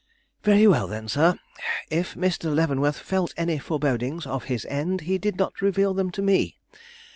"Very well, then, sir; if Mr. Leavenworth felt any forebodings of his end, he did not reveal them to me.